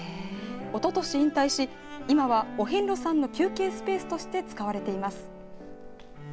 おととし引退し今はお遍路さんの休憩スペースとして使われています。